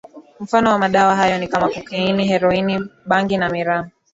Mfano wa madawa hayo ni kama kokaini heroini bangi na miraa